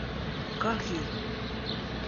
Как ей?